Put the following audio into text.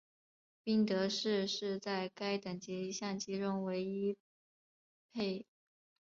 宾得士是在该等级相机中唯一配备恶劣天候可拍摄套装镜头的品牌。